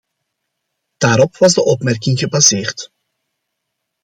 Daarop was de opmerking gebaseerd.